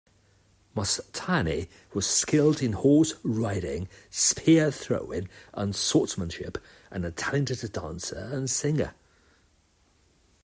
Mastani was skilled in horse-riding, spear-throwing and swordsmanship and a talented dancer and singer.